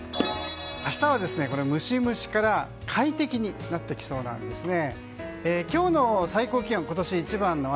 明日はムシムシから快適になってきそうなんですね。